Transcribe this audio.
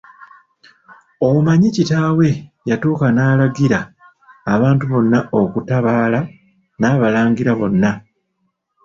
Omanyi kitaawe yatuuka n'alagira abantu bonna okutabaala, n'abalangira bonna.